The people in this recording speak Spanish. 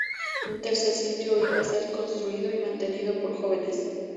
Un tercer sitio iba a ser construido y mantenido por jóvenes.